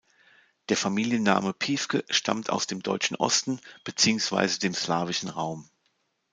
Der Familienname "Piefke" stammt aus dem deutschen Osten beziehungsweise dem slawischen Raum.